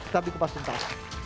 sampai jumpa sumpah